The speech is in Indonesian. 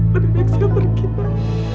bapak harus pergi pak